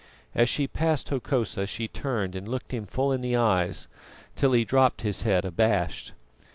As she passed Hokosa she turned and looked him full in the eyes, till he dropped his head abashed.